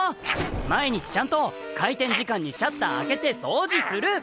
毎日ちゃんと開店時間にシャッター開けて掃除する！